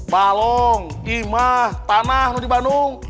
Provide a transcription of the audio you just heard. balong imah tanah di bandung